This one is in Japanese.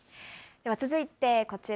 では続いてこちら。